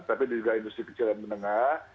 tapi juga industri kecil dan menengah